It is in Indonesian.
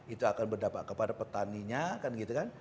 itu akan berdampak kepada petaninya kan gitu kan